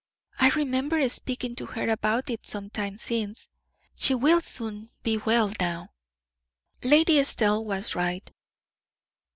I remember speaking to her about it some time since. She will soon be well now." Lady Estelle was right.